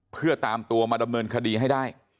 เพื่อตามตัวมาดำเนินคดีให้ได้